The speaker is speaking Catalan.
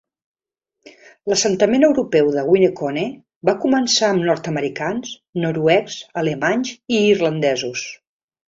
L'assentament europeu de Winneconne va començar amb nord-americans, noruecs, alemanys i irlandesos.